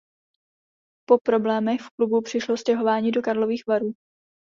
Po problémech v klubu přišlo stěhování do Karlových Varů.